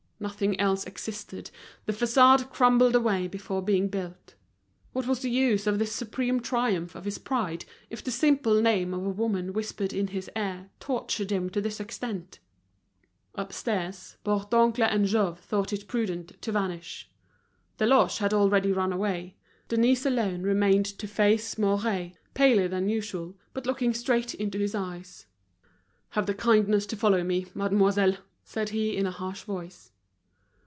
Nothing else existed, the façade crumbled away before being built; what was the use of this supreme triumph of his pride, if the simple name of a woman whispered in his ear tortured him to this extent. Upstairs, Bourdoncle and Jouve thought it prudent to vanish. Deloche had already run away, Denise alone remained to face Mouret, paler than usual, but looking straight into his eyes. "Have the kindness to follow me, mademoiselle," said he in a harsh voice.